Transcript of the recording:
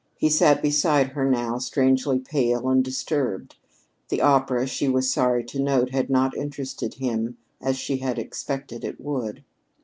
He sat beside her now, strangely pale and disturbed. The opera, she was sorry to note, had not interested him as she had expected it would.